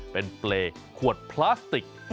เป็นเปรย์ขวดพลาสติก